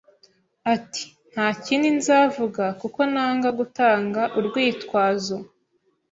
Ati: "Nta kindi nzavuga, kuko nanga gutanga urwitwazo."